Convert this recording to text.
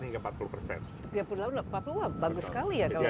tiga puluh delapan hingga empat puluh persen wah bagus sekali ya kalau begitu